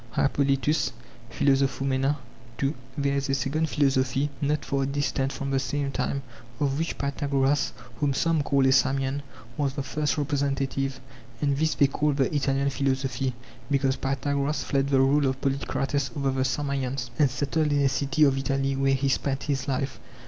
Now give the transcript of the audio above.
| Hippol. Phil. 2; Dox. 555. There is a second philo sophy not far distant from the same time, of which Pythagoras, whom some call a Samian, was the first representative. And this they call the Italian philo sophy because Pythagoras fled the rule of Polykrates over the Samians and settled in a city of Italy where he spent his life.